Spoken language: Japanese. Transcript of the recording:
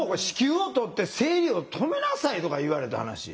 子宮を取って生理を止めなさいとか言われた話。